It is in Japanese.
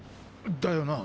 だよなぁ！